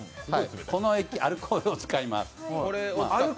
このアルコールを使います。